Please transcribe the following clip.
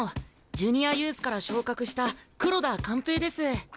ジュニアユースから昇格した黒田勘平です。